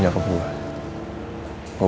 gak mungkin loh